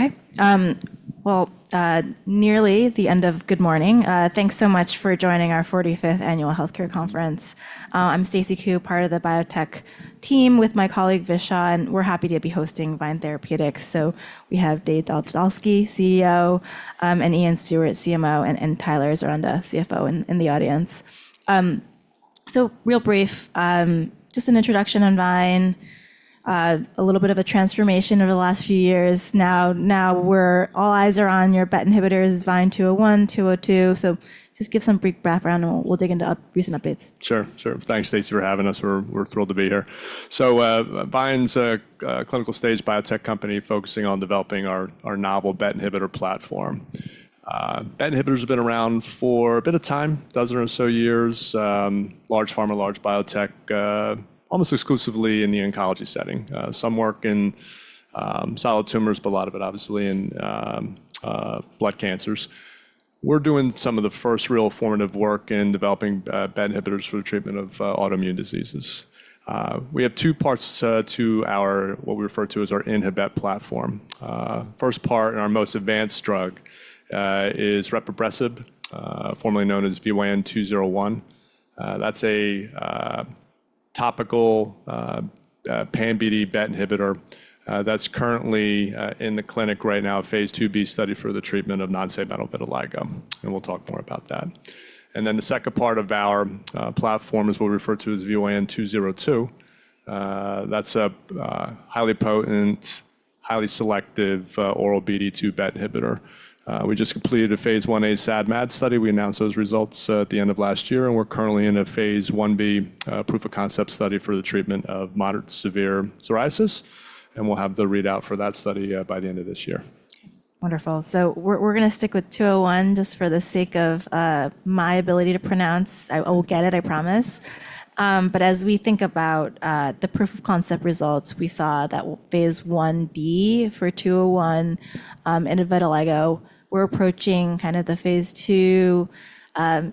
Okay. Nearly the end of Good morning. Thanks so much for joining our 45th Annual Healthcare Conference. I'm Stacy Ku, part of the biotech team with my colleague Vishal, and we're happy to be hosting VYNE Therapeutics. We have Dave Domzalski, CEO, and Iain Stuart, CMO, and Tyler Zeronda, CFO, in the audience. Real brief, just an introduction on VYNE, a little bit of a transformation over the last few years. Now, all eyes are on your BET inhibitors, VYN201, VYN202. Just give some brief background, and we'll dig into recent updates. Sure, sure. Thanks, Stacy, for having us. We're thrilled to be here. VYNE is a clinical-stage biotech company focusing on developing our novel BET inhibitor platform. BET inhibitors have been around for a bit of time, a dozen or so years, large pharma, large biotech, almost exclusively in the oncology setting. Some work in solid tumors, but a lot of it, obviously, in blood cancers. We're doing some of the first real formative work in developing BET inhibitors for the treatment of autoimmune diseases. We have two parts to our what we refer to as our InhiBET platform. First part, our most advanced drug is repibresib, formerly known as VYN201. That's a topical pan BD BET inhibitor that's currently in the clinic right now, a phase II-B study for the treatment of non-segmental vitiligo. We'll talk more about that. The second part of our platform is what we refer to as VYN202. That's a highly potent, highly selective oral BD2 BET inhibitor. We just completed a phase I-A SAD/MAD study. We announced those results at the end of last year, and we're currently in a phase I-B proof of concept study for the treatment of moderate to severe psoriasis. We'll have the readout for that study by the end of this year. Wonderful. We're going to stick with 201 just for the sake of my ability to pronounce. I will get it, I promise. As we think about the proof of concept results, we saw that phase I-B for 201 in vitiligo, we're approaching kind of the phase II,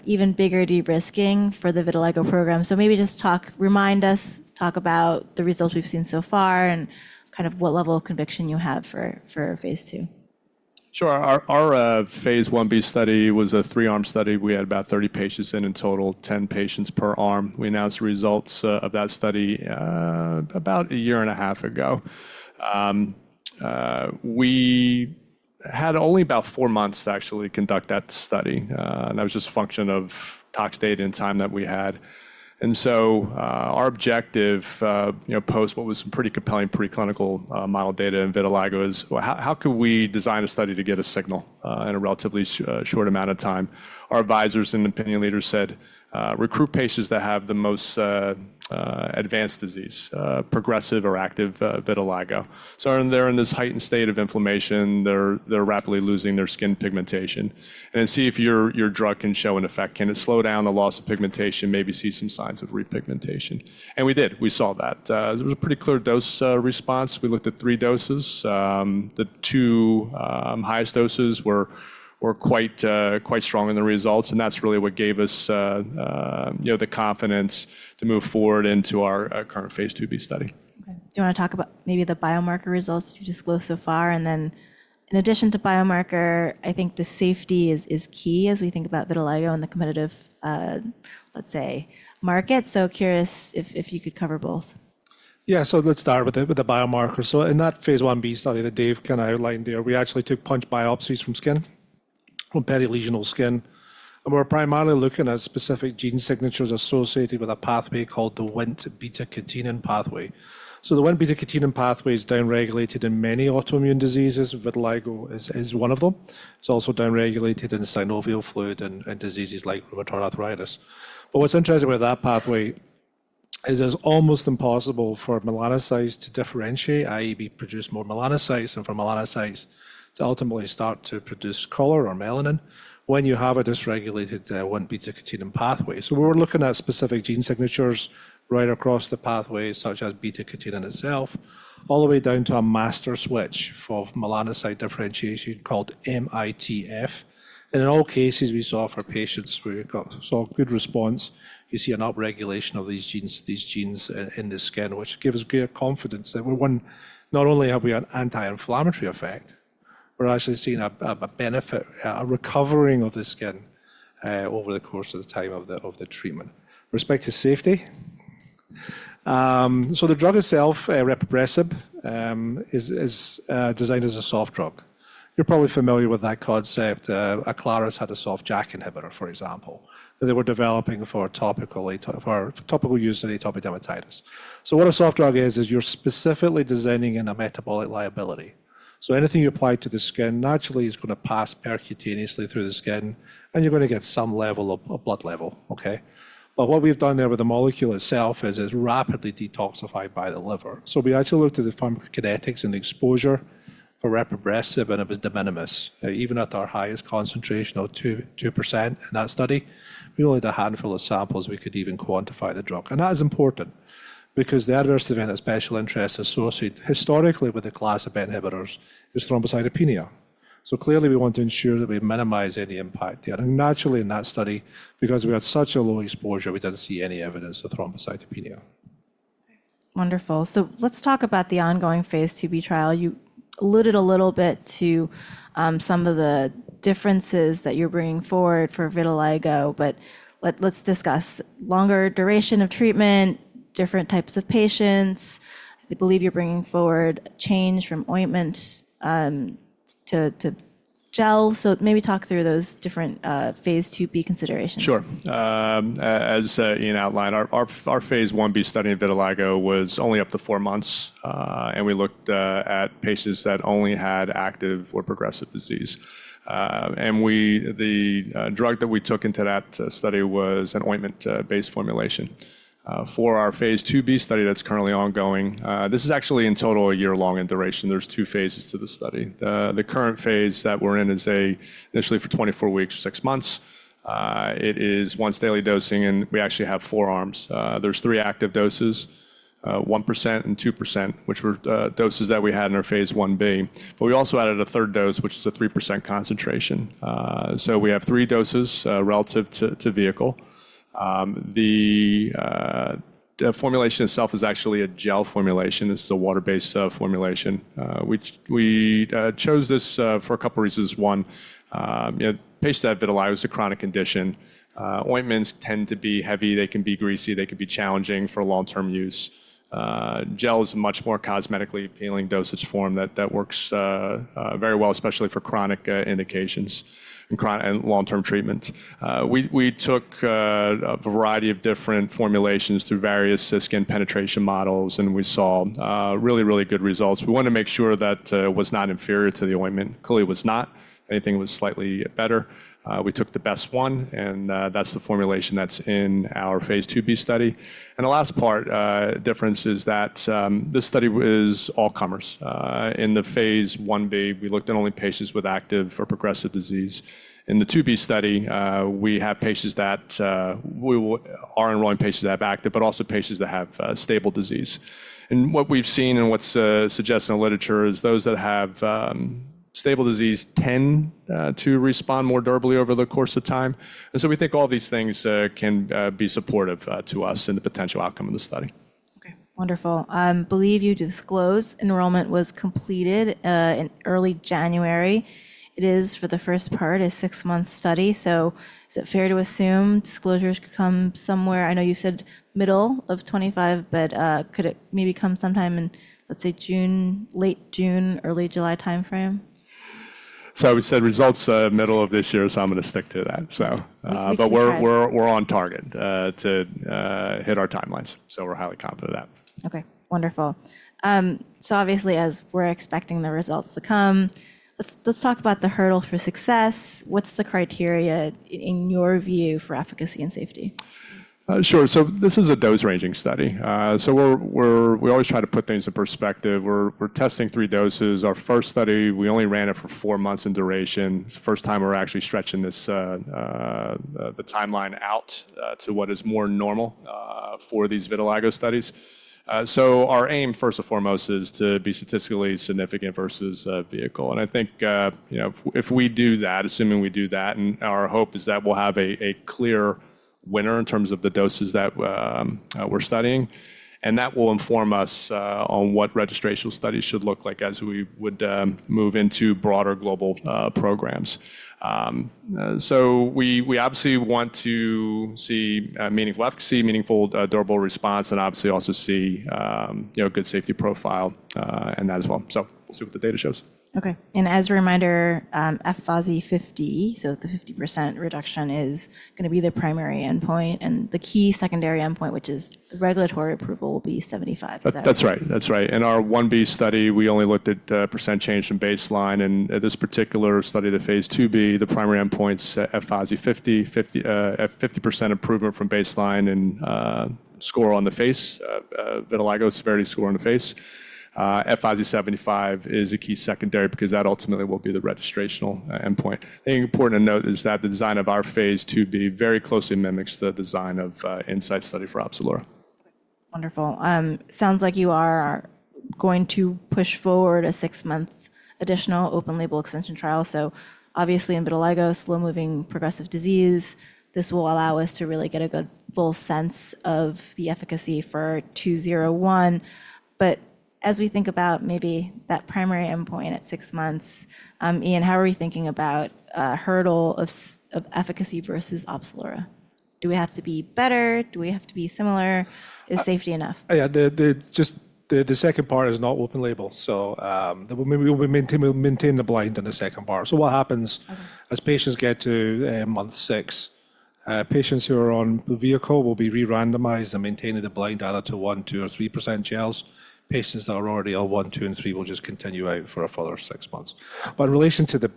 even bigger de-risking for the vitiligo program. Maybe just talk, remind us, talk about the results we've seen so far and kind of what level of conviction you have for phase II. Sure. Our phase I-B study was a three-arm study. We had about 30 patients in, in total, 10 patients per arm. We announced the results of that study about a year and a half ago. We had only about four months to actually conduct that study. That was just a function of tox data and time that we had. Our objective post what was some pretty compelling preclinical model data in vitiligo is, how could we design a study to get a signal in a relatively short amount of time? Our advisors and opinion leaders said, recruit patients that have the most advanced disease, progressive or active vitiligo. They are in this heightened state of inflammation. They are rapidly losing their skin pigmentation. See if your drug can show an effect. Can it slow down the loss of pigmentation, maybe see some signs of repigmentation? We did. We saw that. There was a pretty clear dose response. We looked at three doses. The two highest doses were quite strong in the results. That is really what gave us the confidence to move forward into our current phase II-B study. Okay. Do you want to talk about maybe the biomarker results that you disclosed so far? In addition to biomarker, I think the safety is key as we think about vitiligo and the competitive, let's say, market. Curious if you could cover both. Yeah, so let's start with the biomarker. In that phase I-B study that Dave kind of outlined there, we actually took punch biopsies from skin, from perilesional skin. We're primarily looking at specific gene signatures associated with a pathway called the Wnt beta-catenin pathway. The Wnt beta-catenin pathway is downregulated in many autoimmune diseases. Vitiligo is one of them. It's also downregulated in synovial fluid and diseases like rheumatoid arthritis. What's interesting with that pathway is it's almost impossible for melanocytes to differentiate, i.e., produce more melanocytes, and for melanocytes to ultimately start to produce color or melanin when you have a dysregulated Wnt beta-catenin pathway. We were looking at specific gene signatures right across the pathway, such as beta-catenin itself, all the way down to a master switch for melanocyte differentiation called MITF. In all cases, we saw for patients where we saw good response, you see an upregulation of these genes in the skin, which gave us great confidence that not only have we an anti-inflammatory effect, we're actually seeing a benefit, a recovering of the skin over the course of the time of the treatment. With respect to safety, the drug itself, repibresib, is designed as a soft drug. You're probably familiar with that concept. Aclaris has had a soft JAK inhibitor, for example, that they were developing for topical use in atopic dermatitis. What a soft drug is, is you're specifically designing in a metabolic liability. Anything you apply to the skin naturally is going to pass percutaneously through the skin, and you're going to get some level of blood level, okay? What we have done there with the molecule itself is it's rapidly detoxified by the liver. We actually looked at the pharmacokinetics and the exposure for repibresib, and it was de minimis. Even at our highest concentration of 2% in that study, we only had a handful of samples we could even quantify the drug. That is important because the adverse event of special interest associated historically with the class of BET inhibitors is thrombocytopenia. Clearly, we want to ensure that we minimize any impact there. Naturally, in that study, because we had such a low exposure, we did not see any evidence of thrombocytopenia. Wonderful. Let's talk about the ongoing phase II-B trial. You alluded a little bit to some of the differences that you're bringing forward for vitiligo, but let's discuss longer duration of treatment, different types of patients. I believe you're bringing forward change from ointment to gel. Maybe talk through those different phase II-B considerations. Sure. As Iain outlined, our phase I-B study in vitiligo was only up to four months, and we looked at patients that only had active or progressive disease. The drug that we took into that study was an ointment-based formulation. For our phase II-B study that is currently ongoing, this is actually in total a year long in duration. There are two phases to the study. The current phase that we are in is initially for 24 weeks or six months. It is once daily dosing, and we actually have four arms. There are three active doses, 1% and 2%, which were doses that we had in our phase I-B. We also added a third dose, which is a 3% concentration. We have three doses relative to vehicle. The formulation itself is actually a gel formulation. This is a water-based formulation. We chose this for a couple of reasons. One, patients that have vitiligo is a chronic condition. Ointments tend to be heavy. They can be greasy. They can be challenging for long-term use. Gel is a much more cosmetically appealing dosage form that works very well, especially for chronic indications and long-term treatments. We took a variety of different formulations through various skin penetration models, and we saw really, really good results. We wanted to make sure that it was not inferior to the ointment. Clearly, it was not. Anything was slightly better. We took the best one, and that's the formulation that's in our phase II-B study. The last part difference is that this study is all-comers. In the phase I-B, we looked at only patients with active or progressive disease. In the 2b study, we have patients that are enrolling patients that have active, but also patients that have stable disease. What we've seen and what's suggested in the literature is those that have stable disease tend to respond more durably over the course of time. We think all these things can be supportive to us and the potential outcome of the study. Okay. Wonderful. I believe you disclosed enrollment was completed in early January. It is for the first part, a six-month study. Is it fair to assume disclosures could come somewhere? I know you said middle of 2025, but could it maybe come sometime in, let's say, June, late June, early July timeframe? We said results are middle of this year, so I'm going to stick to that. We're on target to hit our timelines. We're highly confident of that. Okay. Wonderful. Obviously, as we're expecting the results to come, let's talk about the hurdle for success. What's the criteria, in your view, for efficacy and safety? Sure. This is a dose-ranging study. We always try to put things in perspective. We're testing three doses. Our first study, we only ran it for four months in duration. It's the first time we're actually stretching the timeline out to what is more normal for these vitiligo studies. Our aim, first and foremost, is to be statistically significant versus vehicle. I think if we do that, assuming we do that, and our hope is that we'll have a clear winner in terms of the doses that we're studying, that will inform us on what registrational studies should look like as we would move into broader global programs. We obviously want to see meaningful efficacy, meaningful durable response, and obviously also see a good safety profile in that as well. We'll see what the data shows. Okay. As a reminder, FASI 50, so the 50% reduction is going to be the primary endpoint. The key secondary endpoint, which is the regulatory approval, will be 75? That's right. That's right. In our phase I-B study, we only looked at the percentage change from baseline. In this particular study, the phase II-B, the primary endpoint's FASI 50, 50% improvement from baseline in score on the face, vitiligo severity score on the face. FASI 75 is a key secondary because that ultimately will be the registrational endpoint. I think important to note is that the design of our phase II-B very closely mimics the design of the Incyte study for Opzelura. Wonderful. Sounds like you are going to push forward a six-month additional open-label extension trial. Obviously, in vitiligo, slow-moving progressive disease, this will allow us to really get a good full sense of the efficacy for 201. As we think about maybe that primary endpoint at six months, Iain, how are we thinking about the hurdle of efficacy versus Opzelura? Do we have to be better? Do we have to be similar? Is safety enough? Yeah. Just the second part is not open-label. We maintain the blind in the second part. What happens as patients get to month six, patients who are on vehicle will be re-randomized and maintaining the blind data to 1%, 2%, or 3% gels. Patients that are already on 1%, 2%, and 3% will just continue out for a further six months. In relation to the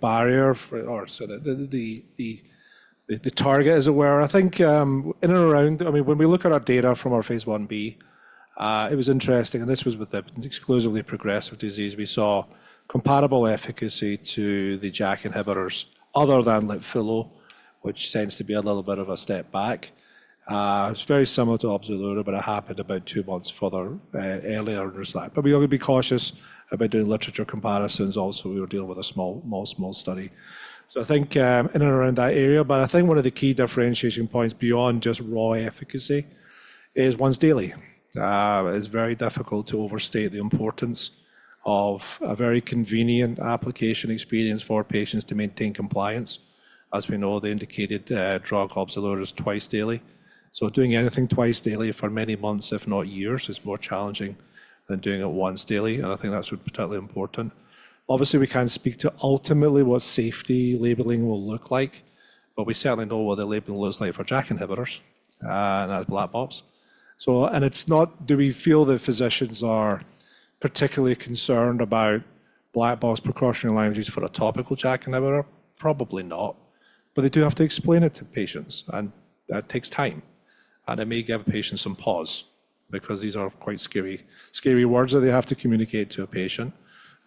barrier or the target as it were, I think in and around, I mean, when we look at our data from our phase I-B, it was interesting, and this was with the exclusively progressive disease, we saw comparable efficacy to the JAK inhibitors other than Litfulo, which tends to be a little bit of a step back. It's very similar to Opzelura, but it happened about two months further earlier in our slot. We're going to be cautious about doing literature comparisons also. We were dealing with a small, small study. I think in and around that area. I think one of the key differentiation points beyond just raw efficacy is once daily. It's very difficult to overstate the importance of a very convenient application experience for patients to maintain compliance. As we know, the indicated drug Opzelura is twice daily. Doing anything twice daily for many months, if not years, is more challenging than doing it once daily. I think that's particularly important. Obviously, we can't speak to ultimately what safety labeling will look like, but we certainly know what the labeling looks like for JAK inhibitors. That's black box. It's not, do we feel the physicians are particularly concerned about black box precautionary language for a topical JAK inhibitor? Probably not. They do have to explain it to patients. That takes time. It may give patients some pause because these are quite scary words that they have to communicate to a patient.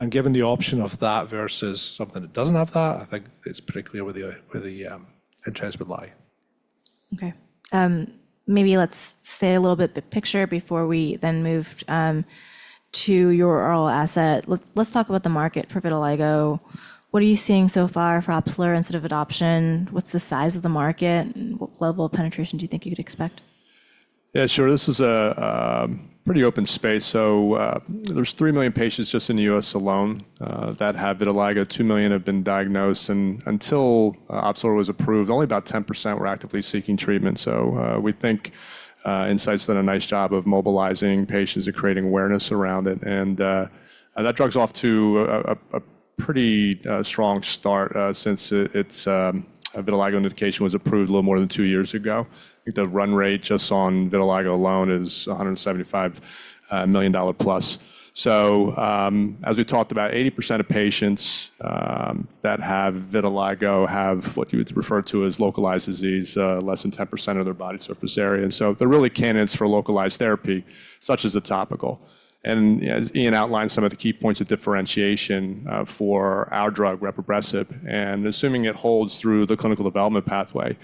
Given the option of that versus something that doesn't have that, I think it's pretty clear where the interest would lie. Okay. Maybe let's stay a little bit big picture before we then move to your oral asset. Let's talk about the market for vitiligo. What are you seeing so far for Opzelura in terms of adoption? What's the size of the market? What level of penetration do you think you could expect? Yeah, sure. This is a pretty open space. There are 3 million patients just in the U.S. alone that have vitiligo. 2 million have been diagnosed. Until Opzelura was approved, only about 10% were actively seeking treatment. We think Incyte's done a nice job of mobilizing patients and creating awareness around it. That drug's off to a pretty strong start since its vitiligo indication was approved a little more than two years ago. I think the run rate just on vitiligo alone is $175 million plus. As we talked about, 80% of patients that have vitiligo have what you would refer to as localized disease, less than 10% of their body surface area. They are really candidates for localized therapy, such as the topical. Iain outlined some of the key points of differentiation for our drug, repibresib. Assuming it holds through the clinical development pathway,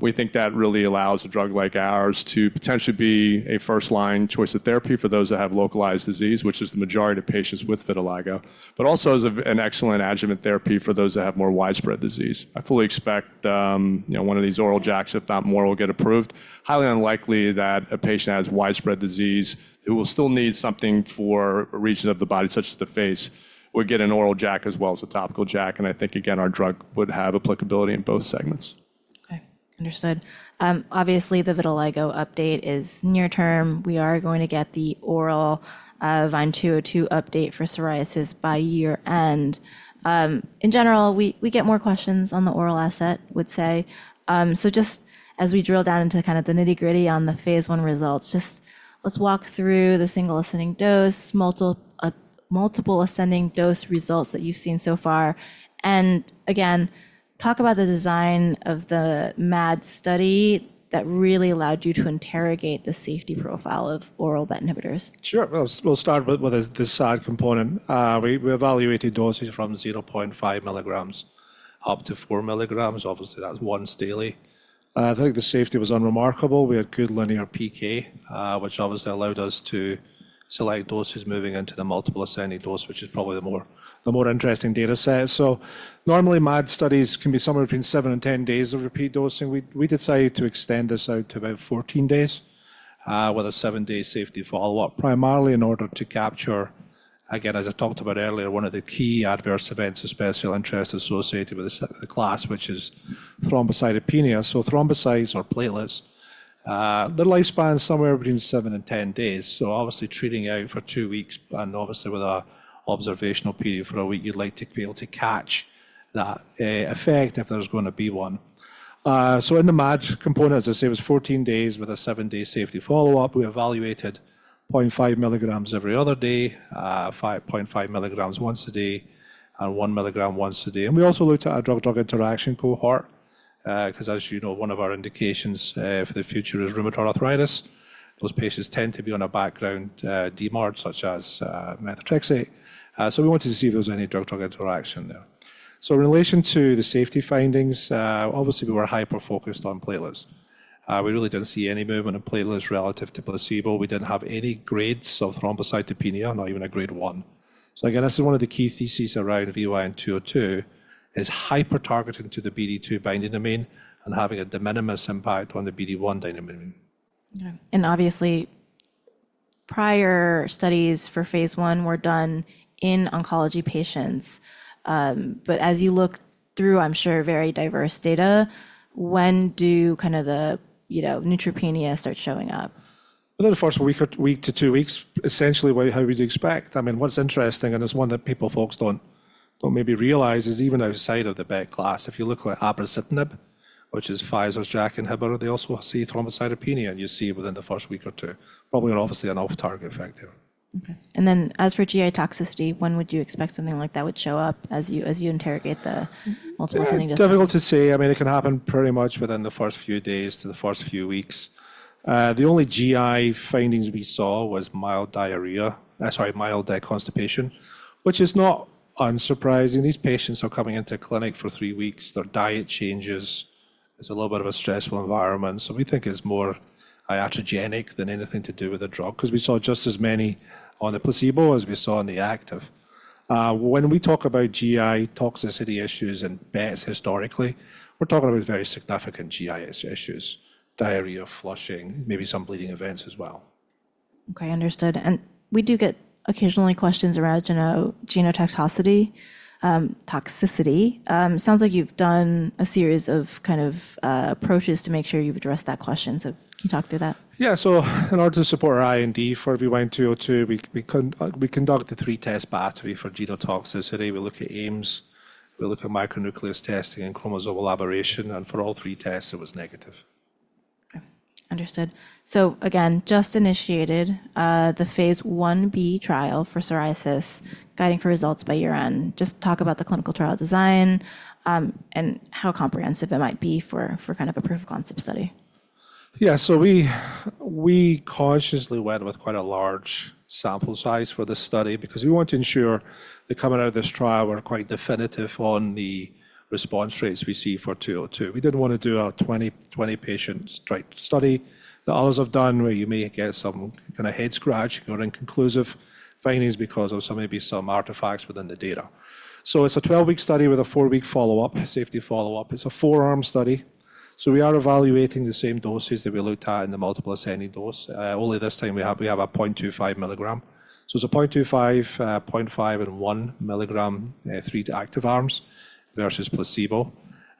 we think that really allows a drug like ours to potentially be a first-line choice of therapy for those that have localized disease, which is the majority of patients with vitiligo, but also as an excellent adjuvant therapy for those that have more widespread disease. I fully expect one of these oral JAKs, if not more, will get approved. It is highly unlikely that a patient who has widespread disease who will still need something for a region of the body, such as the face, would get an oral JAK as well as a topical JAK. I think, again, our drug would have applicability in both segments. Okay. Understood. Obviously, the vitiligo update is near term. We are going to get the oral VYN202 update for psoriasis by year-end. In general, we get more questions on the oral asset, I would say. Just as we drill down into kind of the nitty-gritty on the phase I results, just let's walk through the single ascending dose, multiple ascending dose results that you've seen so far. Again, talk about the design of the MAD study that really allowed you to interrogate the safety profile of oral BET inhibitors. Sure. We'll start with the side component. We evaluated doses from 0.5 milligrams up to 4 milligrams. Obviously, that's once daily. I think the safety was unremarkable. We had good linear PK, which obviously allowed us to select doses moving into the multiple ascending dose, which is probably the more interesting data set. Normally, MAD studies can be somewhere between seven and 10 days of repeat dosing. We decided to extend this out to about 14 days with a seven-day safety follow-up, primarily in order to capture, again, as I talked about earlier, one of the key adverse events of special interest associated with this class, which is thrombocytopenia. Thrombocytes or platelets, their lifespan is somewhere between seven and 10 days. Obviously, treating out for two weeks and obviously with an observational period for a week, you'd like to be able to catch that effect if there's going to be one. In the MAD component, as I say, it was 14 days with a seven-day safety follow-up. We evaluated 0.5 milligrams every other day, 5.5 milligrams once a day, and 1 milligram once a day. We also looked at our drug-drug interaction cohort because, as you know, one of our indications for the future is rheumatoid arthritis. Those patients tend to be on a background DMARD, such as methotrexate. We wanted to see if there was any drug-drug interaction there. In relation to the safety findings, obviously, we were hyper-focused on platelets. We really didn't see any movement in platelets relative to placebo. We didn't have any grades of thrombocytopenia, not even a grade 1. Again, this is one of the key theses around VYN202 is hyper-targeting to the BD2 binding domain and having a de minimis impact on the BD1 binding domain. Obviously, prior studies for phase I were done in oncology patients. But as you look through, I'm sure, very diverse data, when do kind of the neutropenia start showing up? Within the first week to two weeks, essentially how we'd expect. I mean, what's interesting, and it's one that people folks don't maybe realize, is even outside of the BET class, if you look at abrocitinib, which is Pfizer's JAK inhibitor, they also see thrombocytopenia. You see it within the first week or two, probably obviously an off-target effect there. Okay. As for GI toxicity, when would you expect something like that would show up as you interrogate the multiple ascending dose? It's difficult to say. I mean, it can happen pretty much within the first few days to the first few weeks. The only GI findings we saw was mild diarrhea, sorry, mild constipation, which is not unsurprising. These patients are coming into clinic for three weeks. Their diet changes. It's a little bit of a stressful environment. We think it's more iatrogenic than anything to do with the drug because we saw just as many on the placebo as we saw on the active. When we talk about GI toxicity issues and BETs historically, we're talking about very significant GI issues, diarrhea, flushing, maybe some bleeding events as well. Okay. Understood. We do get occasionally questions around genotoxicity. It sounds like you've done a series of kind of approaches to make sure you've addressed that question. Can you talk through that? Yeah. In order to support our IND for VYN202, we conduct a three-test battery for genotoxicity. We look at Ames. We look at micronucleus testing and chromosome aberration. For all three tests, it was negative. Okay. Understood. Again, just initiated the phase I-B trial for psoriasis guiding for results by year-end. Just talk about the clinical trial design and how comprehensive it might be for kind of a proof of concept study. Yeah. We cautiously went with quite a large sample size for this study because we want to ensure the coming out of this trial were quite definitive on the response rates we see for 202. We did not want to do a 20-patient study that others have done where you may get some kind of head-scratch or inconclusive findings because of maybe some artifacts within the data. It is a 12-week study with a 4-week safety follow-up. It is a four-arm study. We are evaluating the same doses that we looked at in the multiple ascending dose. Only this time, we have a 0.25 milligram. It is a 0.25 milligram, 0.5 milligram, and 1 milligram three active arms versus placebo.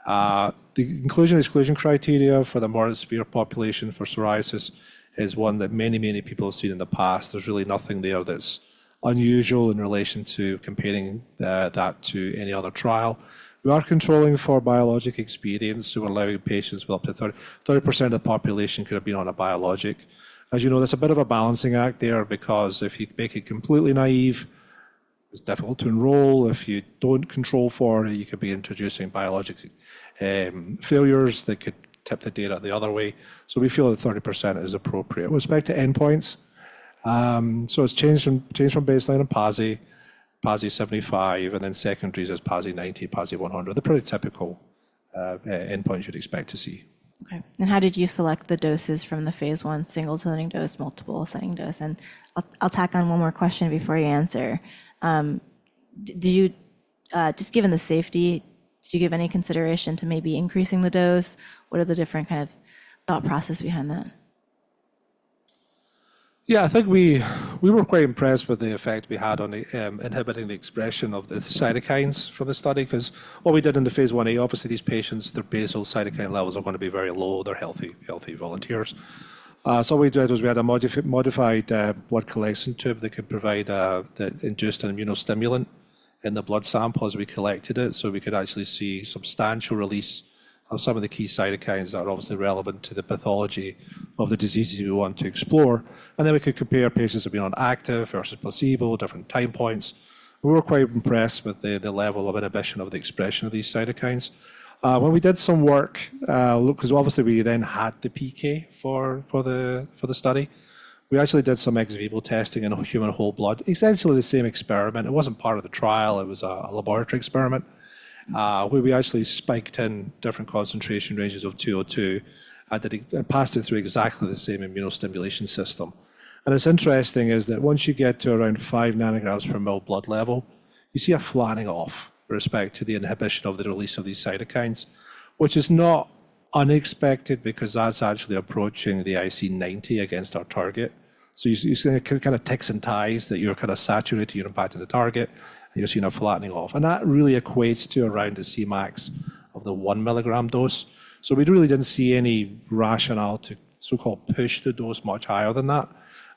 The inclusion-exclusion criteria for the more severe population for psoriasis is one that many, many people have seen in the past. There's really nothing there that's unusual in relation to comparing that to any other trial. We are controlling for biologic experience. So we're allowing patients with up to 30% of the population could have been on a biologic. As you know, there's a bit of a balancing act there because if you make it completely naive, it's difficult to enroll. If you don't control for it, you could be introducing biologic failures that could tip the data the other way. So we feel that 30% is appropriate. With respect to endpoints, so it's changed from baseline and PASI, PASI 75, and then secondaries as PASI 90, PASI 100. They're pretty typical endpoints you'd expect to see. Okay. How did you select the doses from the phase I single-ascending dose, multiple-ascending dose? I'll tack on one more question before you answer. Just given the safety, did you give any consideration to maybe increasing the dose? What are the different kind of thought process behind that? Yeah. I think we were quite impressed with the effect we had on inhibiting the expression of the cytokines from the study because what we did in the phase I-A, obviously, these patients, their basal cytokine levels are going to be very low. They're healthy volunteers. What we did was we had a modified blood collection tube that could provide the induced immunostimulant in the blood sample as we collected it so we could actually see substantial release of some of the key cytokines that are obviously relevant to the pathology of the diseases we want to explore. We could compare patients who have been on active versus placebo, different time points. We were quite impressed with the level of inhibition of the expression of these cytokines. When we did some work, because obviously, we then had the PK for the study, we actually did some ex vivo testing in a human whole blood, essentially the same experiment. It was not part of the trial. It was a laboratory experiment where we actually spiked in different concentration ranges of 202 and passed it through exactly the same immunostimulation system. What's interesting is that once you get to around 5 nanograms per mL blood level, you see a flattening off with respect to the inhibition of the release of these cytokines, which is not unexpected because that's actually approaching the IC90 against our target. You see kind of ticks and ties that you're kind of saturating your impact to the target, and you're seeing a flattening off. That really equates to around the Cmax of the 1 milligram dose. We really didn't see any rationale to so-called push the dose much higher than that.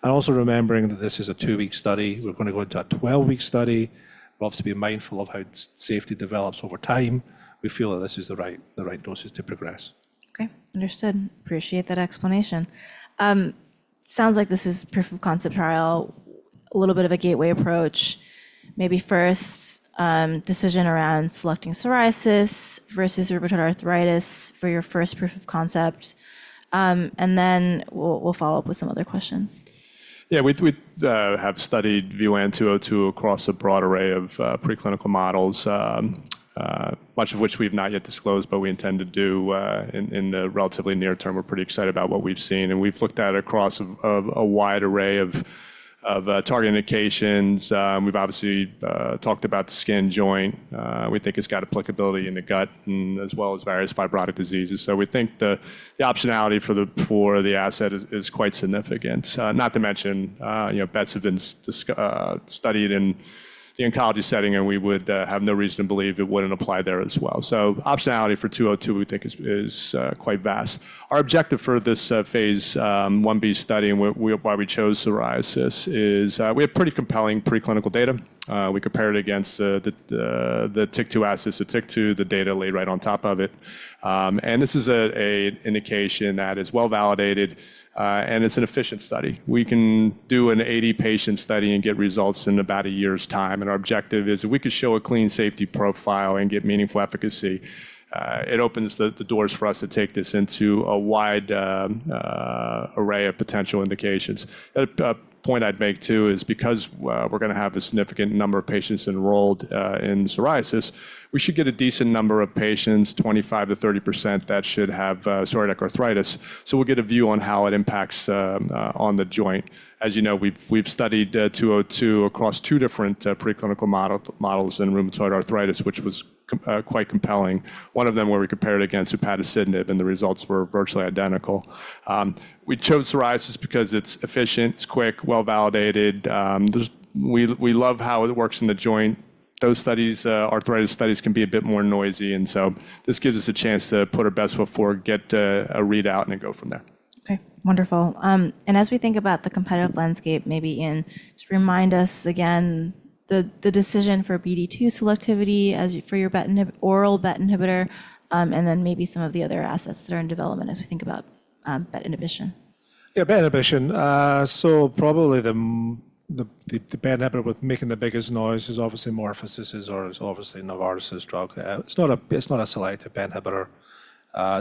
Also remembering that this is a two-week study. We're going to go into a 12-week study. We'll have to be mindful of how safety develops over time. We feel that this is the right doses to progress. Okay. Understood. Appreciate that explanation. Sounds like this is proof of concept trial, a little bit of a gateway approach, maybe first decision around selecting psoriasis versus rheumatoid arthritis for your first proof of concept. Then we'll follow up with some other questions. Yeah. We have studied VYN202 across a broad array of preclinical models, much of which we've not yet disclosed, but we intend to do in the relatively near term. We're pretty excited about what we've seen. We've looked at it across a wide array of target indications. We've obviously talked about skin, joint. We think it's got applicability in the gut as well as various fibrotic diseases. We think the optionality for the asset is quite significant, not to mention BETs have been studied in the oncology setting, and we would have no reason to believe it wouldn't apply there as well. Optionality for 202, we think, is quite vast. Our objective for this phase I-B study and why we chose psoriasis is we have pretty compelling preclinical data. We compare it against the TYK2 assets. The TYK2, the data laid right on top of it. This is an indication that is well validated, and it's an efficient study. We can do an 80-patient study and get results in about a year's time. Our objective is if we could show a clean safety profile and get meaningful efficacy, it opens the doors for us to take this into a wide array of potential indications. The point I'd make too is because we're going to have a significant number of patients enrolled in psoriasis, we should get a decent number of patients, 25%-30%, that should have psoriatic arthritis. We'll get a view on how it impacts on the joint. As you know, we've studied 202 across two different preclinical models in rheumatoid arthritis, which was quite compelling. One of them where we compared against abrocitinib, and the results were virtually identical. We chose psoriasis because it's efficient, it's quick, well validated. We love how it works in the joint. Those arthritis studies can be a bit more noisy, and so this gives us a chance to put our best foot forward, get a readout, and then go from there. Okay. Wonderful. As we think about the competitive landscape, maybe Iain, just remind us again the decision for BD2 selectivity for your oral BET inhibitor and then maybe some of the other assets that are in development as we think about BET inhibition. Yeah, BET inhibition. Probably the BET inhibitor making the biggest noise is obviously MorphoSys or obviously Novartis drug. It's not a selective BET inhibitor.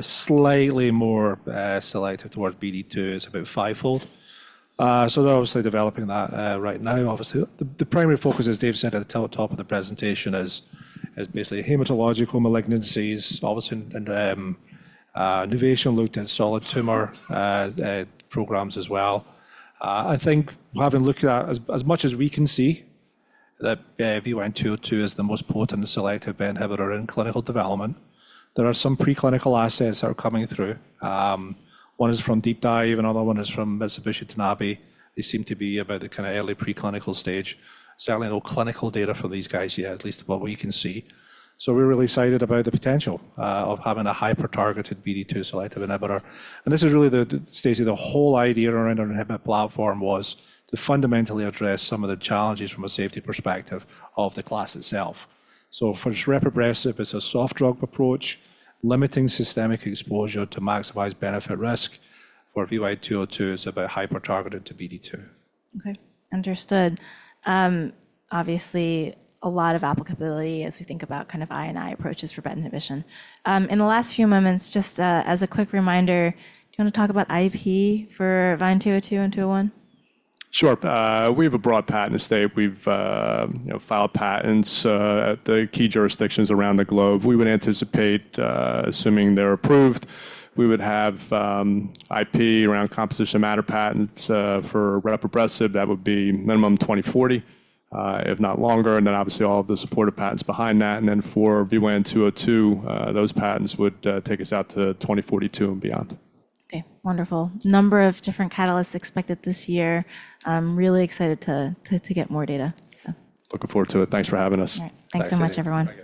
Slightly more selective towards BD2, it's about fivefold. They're obviously developing that right now. Obviously, the primary focus, as Dave said at the top of the presentation, is basically hematological malignancies. Innovation looked at solid tumor programs as well. I think having looked at as much as we can see, VYN202 is the most potent selective BET inhibitor in clinical development. There are some preclinical assets that are coming through. One is from Deep Dive, and another one is from Mitsubishi Tanabe. They seem to be about the kind of early preclinical stage. Certainly, no clinical data for these guys yet, at least what we can see. We're really excited about the potential of having a hyper-targeted BD2 selective inhibitor. This is really the whole idea around our inhibitor platform was to fundamentally address some of the challenges from a safety perspective of the class itself. For repibresib, it is a soft drug approach, limiting systemic exposure to maximize benefit risk. For VYN202, it is about hyper-targeted to BD2. Okay. Understood. Obviously, a lot of applicability as we think about kind of I&I approaches for BET inhibition. In the last few moments, just as a quick reminder, do you want to talk about IP for VYN202 and 201? Sure. We have a broad patent estate. We've filed patents at the key jurisdictions around the globe. We would anticipate, assuming they're approved, we would have IP around composition matter patents for repibresib. That would be minimum 2040, if not longer. Obviously, all of the supported patents behind that. For VYN202, those patents would take us out to 2042 and beyond. Okay. Wonderful. Number of different catalysts expected this year. Really excited to get more data. Looking forward to it. Thanks for having us. All right. Thanks so much, everyone.